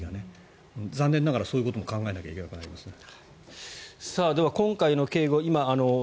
残念ながらそういうことを考えないといけないですね。